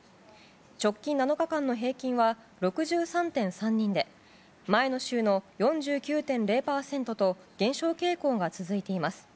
直近７日間の平均は６３．３人で前の週の４９．０％と減少傾向が続いています。